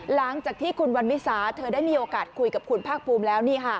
หลังจากที่คุณวันวิสาเธอได้มีโอกาสคุยกับคุณภาคภูมิแล้ว